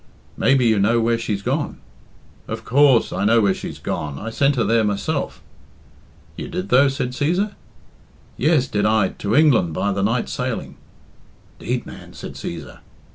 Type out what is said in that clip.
"Maybe you know where she's gone." "Of course I know where's she's gone. I sent her there myself!" "You did, though?" said Cæsar. "Yes, did I to England by the night sailing." "'Deed, man!" said Cæsar.